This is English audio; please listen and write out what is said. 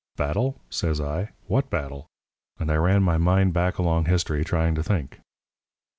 "'Battle?' says I; 'what battle?' and I ran my mind back along history, trying to think.